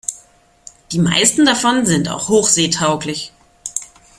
Die meisten davon sind auch hochseetauglich.